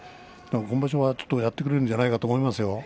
今場所はやってくれるんじゃないかと思いますよ。